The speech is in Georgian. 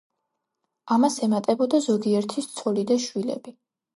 ამას ემატებოდა ზოგიერთის ცოლი და შვილები.